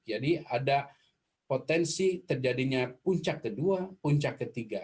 ada potensi terjadinya puncak kedua puncak ketiga